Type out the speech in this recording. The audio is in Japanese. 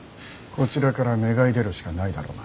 こちらから願い出るしかないだろうな。